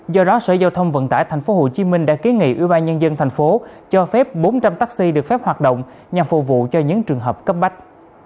do đó sở giao thông vận tải tp hcm đã ký nghị ủy ban nhân dân thành phố cho phép bốn trăm linh taxi được phép hoạt động nhằm phục vụ cho những trường hợp cấp bách